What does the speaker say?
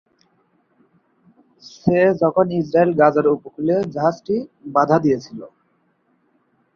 ছে, যখন ইসরায়েল গাজার উপকূলে জাহাজটি বাধা দিয়েছিল।